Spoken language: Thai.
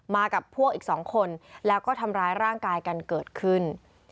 กับพวกอีก๒คนแล้วก็ทำร้ายร่างกายกันเกิดขึ้น